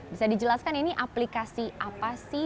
bisa dijelaskan ini aplikasi apa sih